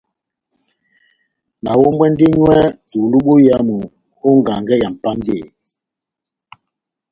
Nahombwɛndi nywɛ bulu boyamu ó ngangɛ ya Mʼpángeyi.